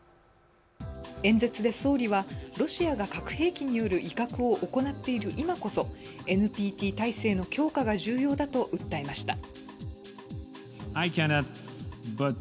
演説で総理は、ロシアが核兵器による威嚇を行っている今こそＮＰＴ体制の強化が重要だと訴えました。